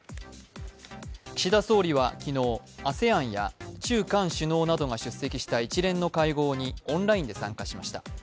岸田総理は昨日、ＡＳＥＡＮや中韓首脳などが出席した一連の会合にオンラインで参加しました。